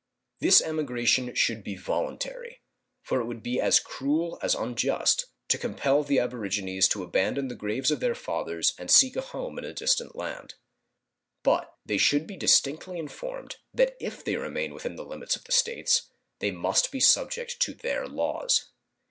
This emigration should be voluntary, for it would be as cruel as unjust to compel the aborigines to abandon the graves of their fathers and seek a home in a distant land. But they should be distinctly informed that if they remain within the limits of the States they must be subject to their laws.